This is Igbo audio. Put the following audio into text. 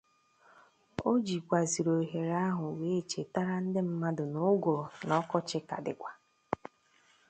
O jikwazịrị ohere ahụ we chetara ndị mmadụ na ụgụrụ na ọkọchị ka dịkwa